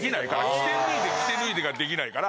着て脱いで着て脱いでができないから。